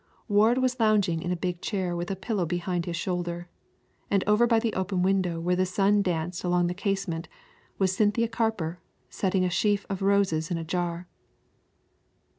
Ward was lounging in a big chair with a pillow behind his shoulder, and over by the open window where the sun danced along the casement was Cynthia Carper setting a sheaf of roses in a jar.